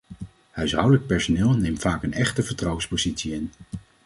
Huishoudelijk personeel neemt vaak een echte vertrouwenspositie in.